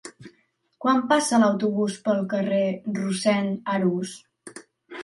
Quan passa l'autobús pel carrer Rossend Arús?